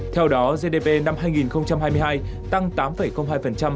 theo đó gdp năm hai nghìn hai mươi hai tăng tám hai